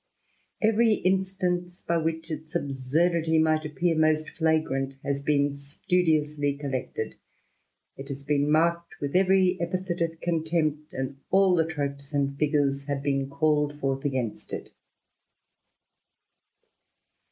Every instance, by which its absurdity might appear most flagrant, has been studiously collected ; it has been marked with every epithet of contempt, and all the tropes and figures have been called forth against it.